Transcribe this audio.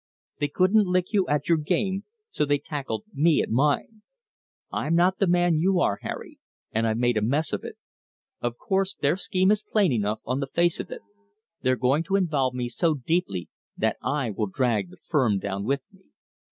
They couldn't lick you at your game, so they tackled me at mine. I'm not the man you are, Harry, and I've made a mess of it. Of course their scheme is plain enough on the face of it. They're going to involve me so deeply that I will drag the firm down with me.